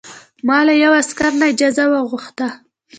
ما له یوه عسکر نه اجازه وغوښته.